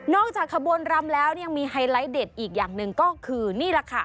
จากขบวนรำแล้วยังมีไฮไลท์เด็ดอีกอย่างหนึ่งก็คือนี่แหละค่ะ